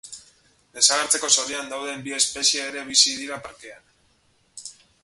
Desagertzeko zorian dauden bi espezie ere bizi dira parkean.